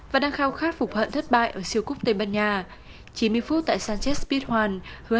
và đang khao khát phục hận thất bại ở siêu cúp tây ban nha chín mươi phút tại sanchez bichon hứa